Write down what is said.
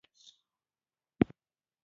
د جینکو ښوونځي ډیر مهم دی